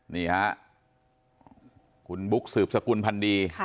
นี่ฮะคุณบุ๊กสืบสกุลพันดี